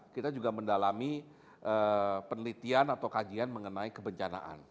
kita juga mendalami penelitian atau kajian mengenai kebencanaan